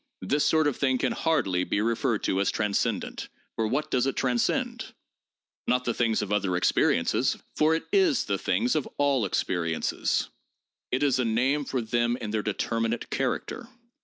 This sort of thing can hardly be referred to as transcendent— for what does it transcend ? Not the things of other experiences, for it is the things of all experiences. It is a name for them in their determinate character.